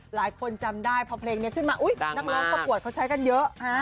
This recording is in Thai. หลายคนจำได้พอเพลงนี้ขึ้นมาอุ๊ยนักร้องประกวดเขาใช้กันเยอะ